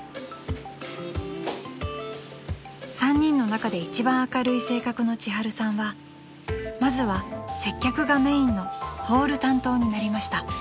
［３人の中で一番明るい性格の千春さんはまずは接客がメインのホール担当になりました］